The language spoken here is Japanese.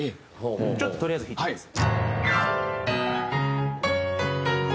ちょっととりあえず弾いてみます。